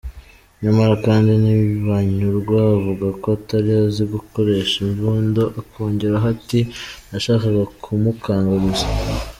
Nyamara kandi Ntibanyurwa avuga ko atari azi gukoresha imbunda, akongeraho ati : ”Nashakaga kumukanga gusa”.